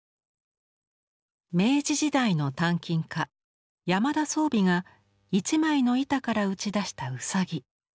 明治時代の鍛金家山田宗美が一枚の板から打ち出したウサギ。